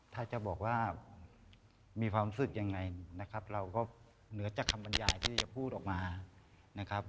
ถ้าจะบอกว่ามีความรู้สึกยังไงนะครับเราก็เหนือจากคำบรรยายที่จะพูดออกมานะครับ